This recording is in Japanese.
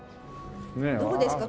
どうですか？